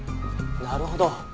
なるほど。